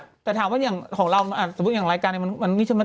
ใช่แต่ถามว่าของเราสมมุติอย่างรายการมันนี่ใช่ไหม